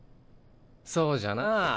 そうじゃなあ。